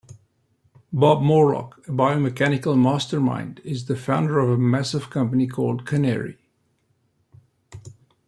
Bob Morlock, a biomechanical mastermind, is the founder of a massive company called Kanary.